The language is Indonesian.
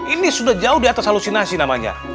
ini sudah jauh di atas halusinasi namanya